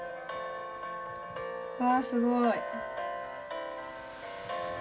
わすごい！